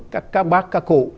các bác các cụ